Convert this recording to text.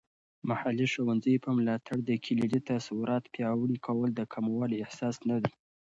محلي ښوونځیو په ملاتړ د کلیدي تصورات پیاوړي کول د کموالی احساس نه دی.